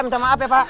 minta maaf ya pak